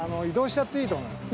移動しちゃっていい？